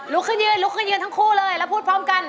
รุกขึ้นยืนทั้งคู่เลยแล้วพูดพร้อมกัน